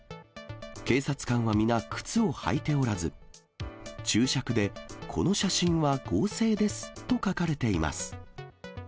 警察官は皆、靴を履いておらず、注釈で、この写真は合成ですと書かれています。